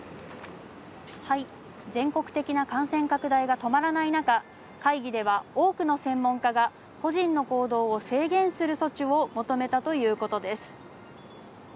全国的な感染拡大が止まらない中、会議では多くの専門家が個人の行動を制限する措置を求めたということです。